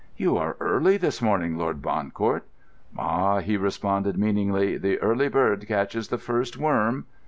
"You are early this morning, Lord Bancourt." "Ah," he responded meaningly, "the early bird catches the first worm."